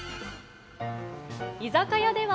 居酒屋では。